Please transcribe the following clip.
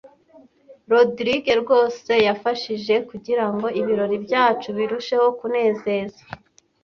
Rodrige rwose yafashije kugirango ibirori byacu birusheho kunezeza.